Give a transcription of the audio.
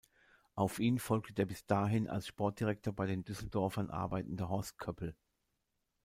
Auf ihn folgte der bis dahin als Sportdirektor bei den Düsseldorfern arbeitende Horst Köppel.